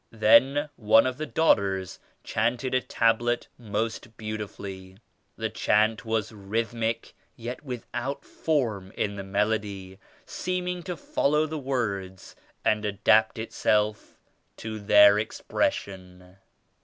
Then one of the daughters chanted a Tablet most beautifully. The chant was rhythmic yet without form in the melody; seeming to follow the words and adapt itself to their expression.